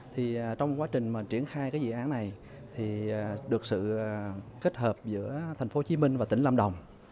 thì trong quá trình mà triển khai cái dự án này thì được sự kết hợp giữa tp hcm và tỉnh lâm đồng